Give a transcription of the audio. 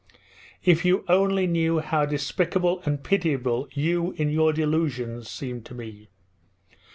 If you only knew how despicable and pitiable you, in your delusions, seem to me!